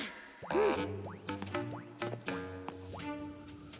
うん。